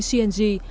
đều sử dụng khí cng